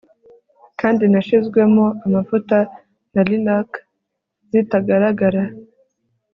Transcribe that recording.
Kandi nashizwemo amavuta na lilac zitagaragara